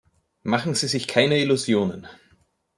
Machen Sie sich keine Illusionen!